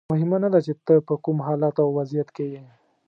مهمه نه ده چې ته په کوم حالت او وضعیت کې یې.